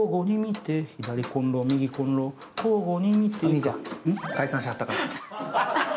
兄ちゃん、解散しはったから。